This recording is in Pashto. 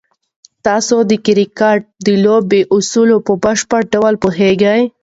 آیا تاسو د کرکټ د لوبې اصول په بشپړ ډول پوهېږئ؟